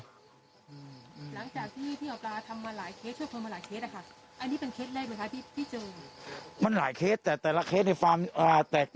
หลังจากนี้ที่อ๋อฟลาช่วยกันมาหลายเคส